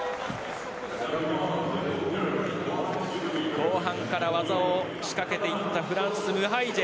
後半ら技を仕掛けていったフランス、ムハイジェ。